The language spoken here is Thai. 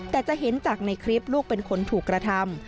แต่จะเห็นจากในคลิปลูกเป็นคนถูกกระทำ